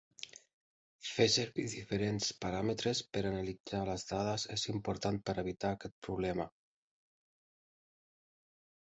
Fer servir diferents paràmetres per analitzar les dades és important per evitar aquest problema.